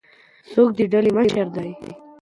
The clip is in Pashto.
څوک د ډلي مشر دی؟